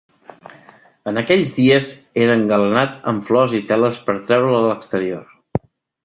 En aquells dies era engalanat amb flors i teles per treure'l a l'exterior.